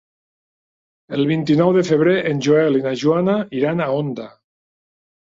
El vint-i-nou de febrer en Joel i na Joana iran a Onda.